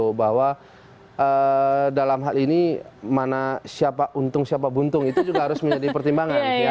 jadi itu juga harus dikira bahwa dalam hal ini mana siapa untung siapa buntung itu juga harus menjadi pertimbangan